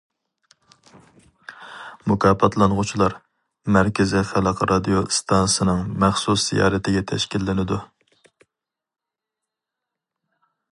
مۇكاپاتلانغۇچىلار مەركىزىي خەلق رادىيو ئىستانسىسىنىڭ مەخسۇس زىيارىتىگە تەشكىللىنىدۇ.